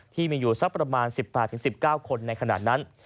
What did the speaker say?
ที่มีอยู่สักประมาณ๑๘๑๙คนในขณะนั้น